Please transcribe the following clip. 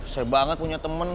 sayang banget punya temen